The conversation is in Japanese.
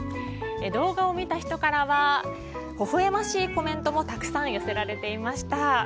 動画を見た人からは、ほほえましいコメントもたくさん寄せられていました。